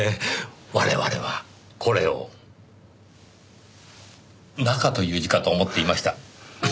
我々はこれを「中」という字かと思っていました。